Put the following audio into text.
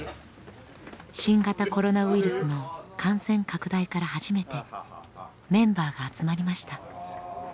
新型コロナウイルスの感染拡大から初めてメンバーが集まりました。